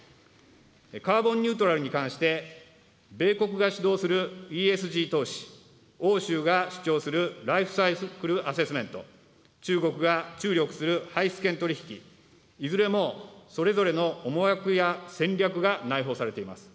カーボンニュートラルに関して米国が主導するＥＳＧ投資、欧州が主張するライフ・サイクル・アセスメント、中国が注力する排出権取引、いずれもそれぞれの思惑や戦略が内包されています。